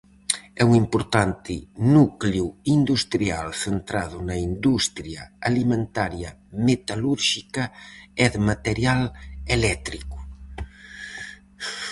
É un importante núcleo industrial centrado na industria alimentaria metalúrxica e de material eléctrico.